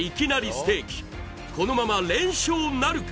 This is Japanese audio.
ステーキこのまま連勝なるか？